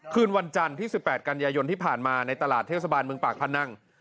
คืนวันจันทร์ที่๑๘กันยายนที่ผ่านมาในตลาดเทศบาลเมืองปากพนัง